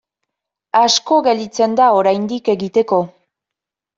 Asko gelditzen da oraindik egiteko.